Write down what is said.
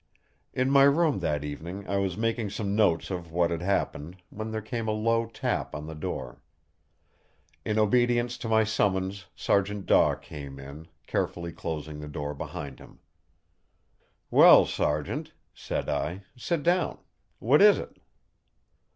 In my room that evening I was making some notes of what had happened, when there came a low tap on the door. In obedience to my summons Sergeant Daw came in, carefully closing the door behind him. "Well, Sergeant," said I, "sit down. What is it?"